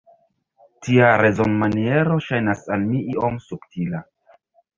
Tia rezonmaniero ŝajnas al mi iom subtila.